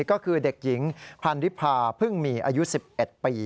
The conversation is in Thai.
ก็คือเด็กหญิงพันธิพาพึ่งมีอายุ๑๑ปี